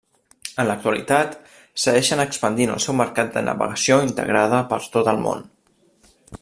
En l'actualitat segueixen expandint el seu mercat de navegació integrada per tot el món.